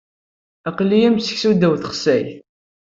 Aql-i am seksu ddaw texsayt.